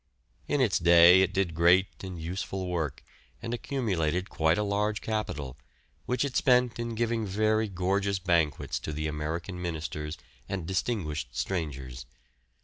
In its day it did great and useful work, and accumulated quite a large capital, which it spent in giving very gorgeous banquets to the American Ministers and distinguished strangers.